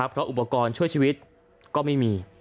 เพราะอุปกรณ์ช่วยชีวิตก็ไม่มี